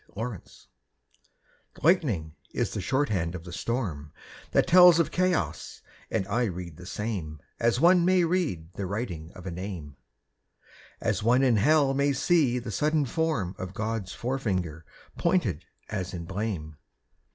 The lightning is the shorthand of the storm That tells of chaos; and I read the same As one may read the writing of a name, As one in Hell may see the sudden form Of God's fore finger pointed as in blame.